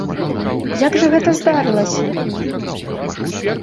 Як жа гэта здарылася?